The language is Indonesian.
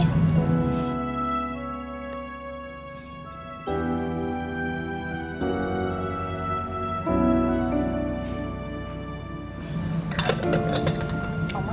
akhirnya tante rusak mau makan